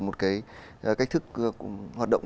một cái cách thức hoạt động